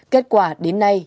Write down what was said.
kết quả đến nay